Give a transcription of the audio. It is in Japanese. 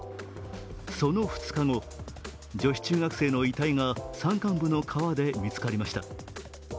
その２日後、女子中学生の遺体が山間部の川で見つかりました。